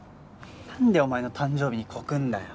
なんでお前の誕生日に告るんだよ？